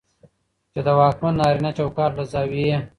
چې د واکمن نارينه چوکاټ له زاويې